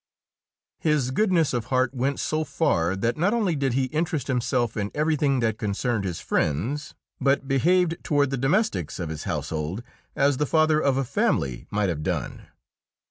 His goodness of heart went so far that not only did he interest himself in everything that concerned his friends, but behaved toward the domestics of his household as the father of a family might have done.